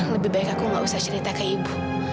lebih baik aku gak usah cerita ke ibu